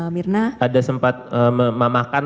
mirna ada sempat memakan